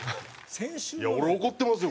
いや俺怒ってますよ